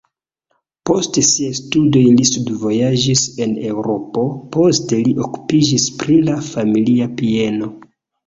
Post siaj studoj li studvojaĝis en Eŭropo, poste li okupiĝis pri la familia bieno.